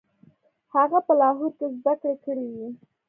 هغه په لاهور کې زده کړې کړې وې.